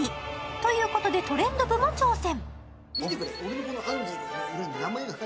ということで、「トレンド部」も挑戦。